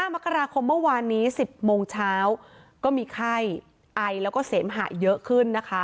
มกราคมเมื่อวานนี้๑๐โมงเช้าก็มีไข้ไอแล้วก็เสมหะเยอะขึ้นนะคะ